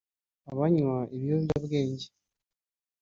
abanywa ibiyobyabwenge